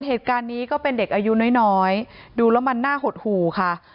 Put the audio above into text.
เหตุการณ์นี้ก็เป็นเด็กอายุน้อยน้อยดูแล้วมันน่าหดหู่ค่ะ